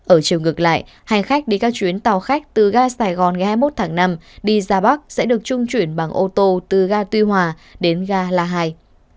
ở chiều ngược lại hành khách đi các chuyến tàu khách từ ga sài gòn ngày hai mươi một tháng năm đi ra bắc sẽ được trung chuyển bằng ô tô từ ga tuy hòa đến ga la hai